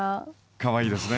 かわいいですね。